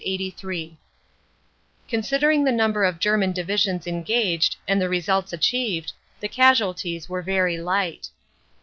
12 20 69 "Considering the number of German Divisions engaged, and the results achieved, the casualties were very light."